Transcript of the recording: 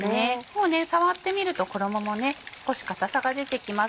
もう触ってみると衣も少し硬さが出てきます。